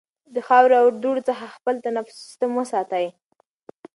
د خاورو او دوړو څخه خپل تنفسي سیستم وساتئ.